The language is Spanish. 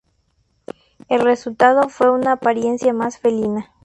El resultado fue una apariencia más felina.